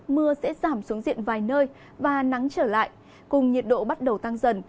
mưa sẽ giảm xuống diện vài nơi và nắng trở lại cùng nhiệt độ bắt đầu tăng dần